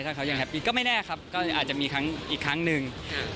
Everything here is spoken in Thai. ถ้าเขายังแฮปปี้ก็ไม่แน่ครับก็อาจจะมีอีกครั้งหนึ่ง